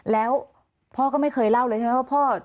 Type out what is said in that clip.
แล้วพ่อก็ไม่เคยเล่าเลยใช่ไหมว่าพ่อ